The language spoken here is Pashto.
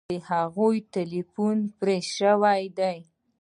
د هغوی ټیلیفون پرې شوی دی